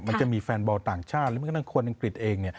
มันจะมีแฟนบอลต่างชาติหรือแม้กระทั่งคนอังกฤษเอง